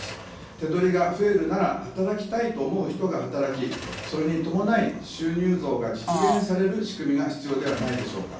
手取りが増えるなら、働きたいと思う人が働き、それに伴い収入増が実現される仕組みが必要ではないでしょうか。